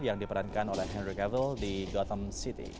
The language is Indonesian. yang diperankan oleh henry cavill di gotham city